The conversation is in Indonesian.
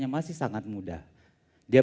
kenapa ya depressed idetik